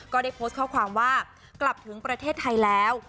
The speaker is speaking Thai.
ก็ได้โพสต์ข้อความว่ากลับถึงประเทศไทยแล้ว